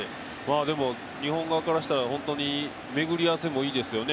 でも、日本側からしたら本当に巡り会わせもいいですね。